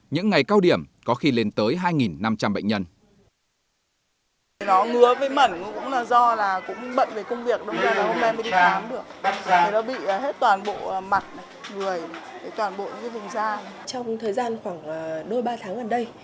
những ngày cao điểm có khi lên tới hai năm trăm linh bệnh nhân